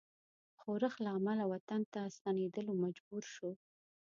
ښورښ له امله وطن ته ستنېدلو مجبور شو.